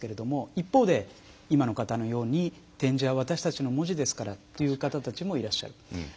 一方で、今の方のように点字は私たちの文字ですからという方たちもいらっしゃる。